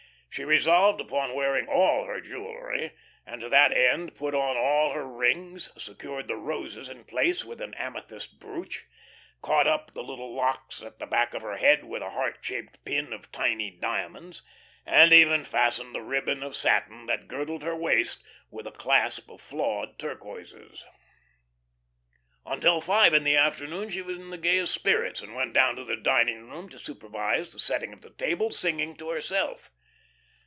She resolved upon wearing all her jewelry, and to that end put on all her rings, secured the roses in place with an amethyst brooch, caught up the little locks at the back of her head with a heart shaped pin of tiny diamonds, and even fastened the ribbon of satin that girdled her waist, with a clasp of flawed turquoises. Until five in the afternoon she was in the gayest spirits, and went down to the dining room to supervise the setting of the table, singing to herself.